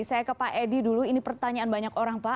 saya ke pak edi dulu ini pertanyaan banyak orang pak